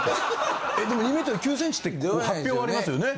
えでも２ｍ９ｃｍって発表はありますよね。